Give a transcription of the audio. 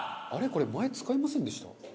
これ前使いませんでした？